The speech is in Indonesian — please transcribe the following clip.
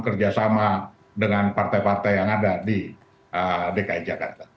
kerjasama dengan partai partai yang ada di dki jakarta